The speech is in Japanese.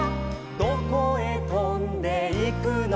「どこへとんでいくのか」